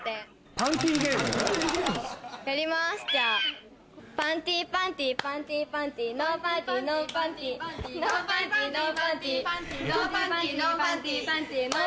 パンティーパンティーパンティーパンティーノーパンティーノーパンティー。